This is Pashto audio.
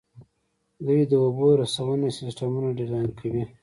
دوی د اوبو رسونې سیسټمونه ډیزاین کوي.